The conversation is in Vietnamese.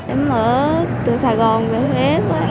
em ở từ sài gòn về huế